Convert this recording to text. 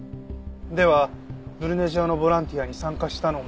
ではブルネジアのボランティアに参加したのも？